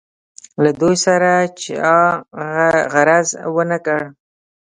له دوی سره چا غرض ونه کړ.